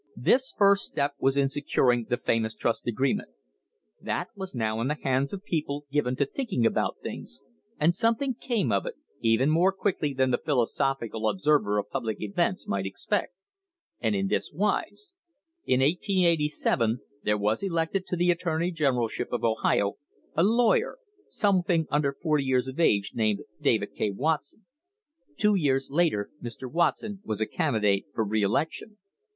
This first step was in securing the famous trust agreement. That was now in the hands of people given to thinking about things, and something came of it, even more quickly than the philosophical observer of public events might expect, and in this wise: In 1887 there was elected to the attorney generalship of Ohio a lawyer, something under forty years of age, named David K. Watson. Two years later Mr. Watson was a candi date for re election.